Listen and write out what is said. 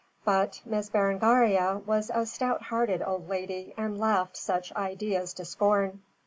But Miss Berengaria was a stout hearted old lady and laughed such ideas to scorn.